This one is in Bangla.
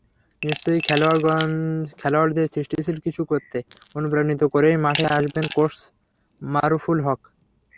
নিশ্চয়ই খেলোয়াড়দের সৃষ্টিশীল কিছু করতে অনুপ্রাণিত করেই মাঠে আসবেন কোচ মারুফুল হক।